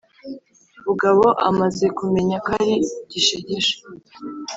bugabo amaze kumenya ko ari gishegesha